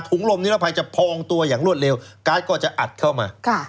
ลมนิรภัยจะพองตัวอย่างรวดเร็วการ์ดก็จะอัดเข้ามา